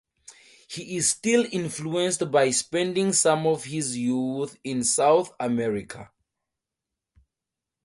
He is still influenced by spending some of his youth in South America.